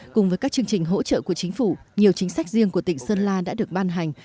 cùng với các chương trình hỗ trợ của chính phủ nhiều chính sách riêng của tỉnh sơn la đã được ban hành